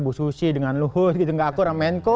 bu susi dengan luhut gak aku orang menko